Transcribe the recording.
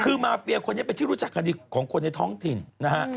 คือมาเฟียคนนี้เป็นที่รู้จักกันดีของคนในท้องถิ่นนะฮะ